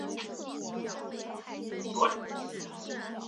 胜眼光是香港已退役纯种竞赛马匹。